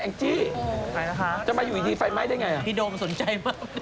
นี่ไง